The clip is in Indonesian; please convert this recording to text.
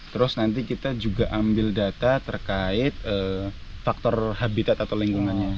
terus nanti kita juga ambil data terkait faktor habitat atau lingkungannya